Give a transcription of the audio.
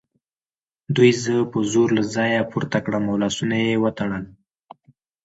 دوی زه په زور له ځایه پورته کړم او لاسونه یې وتړل